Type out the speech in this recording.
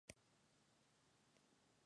No la vuelven a enfocar y el partido termina.